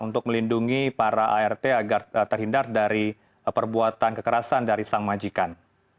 untuk melindungi para art agar terhindar dari perbuatan kekerasan dari sang majikan